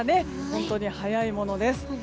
本当に早いものです。